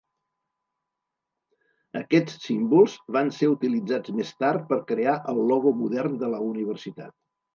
Aquests símbols van ser utilitzats més tard per crear el logo modern de la universitat.